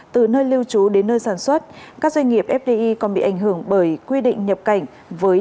từ nơi lưu trú đến nơi sản xuất các doanh nghiệp fdi còn bị ảnh hưởng bởi quy định nhập cảnh với